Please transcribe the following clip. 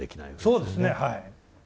そうですねはい。